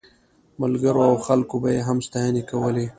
ملګرو او خلکو به یې هم ستاینې کولې.